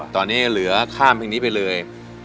ตอนนี้เหลือข้ามเพลงนี้ไปเลย